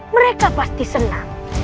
mereka pasti senang